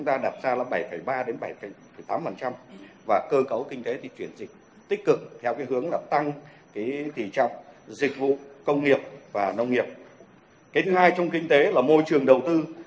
tích cực khuyến khích khởi nghiệp và thu hút đầu tư